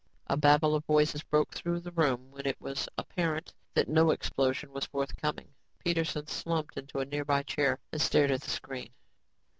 A babble of voices broke through the room when it was apparent that no explosion was forthcoming. Peterson slumped into a nearby chair and stared at the screen.